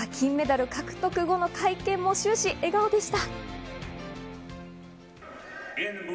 金メダル獲得後の会見も終始、笑顔でした。